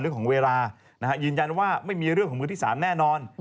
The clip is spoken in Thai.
เรื่องของเวลายืนยันว่าไม่มีเรื่องของมือที่๓แน่นอน